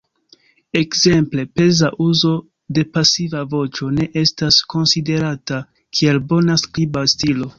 Ekzemple, peza uzo de pasiva voĉo ne estas konsiderata kiel bona skriba stilo.